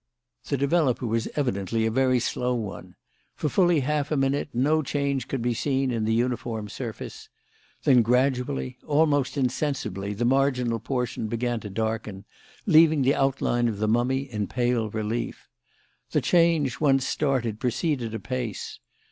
The developer was evidently a very slow one. For fully half a minute no change could be seen in the uniform surface. Then, gradually, almost insensibly, the marginal portion began to darken, leaving the outline of the mummy in pale relief. The change, once started, proceeded apace.